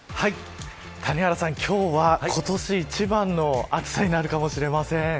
谷原さん、今日は今年一番の暑さになるかもしれません。